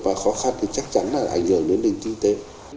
có khó khăn thì chắc chắn là ảnh hưởng đến định tinh tế